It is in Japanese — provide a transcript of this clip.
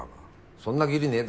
そんな義理ねぇだろ。